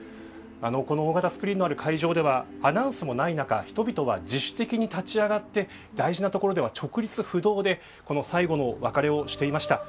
この大型スクリーンのある会場ではアナウンスもない中人々は自主的に立ち上がって大事なところでは直立不動でこの最後の別れをしていました。